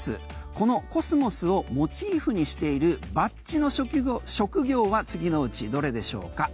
このコスモスをモチーフにしているバッジの職業は次のうちどれでしょうか？